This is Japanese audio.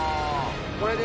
これで。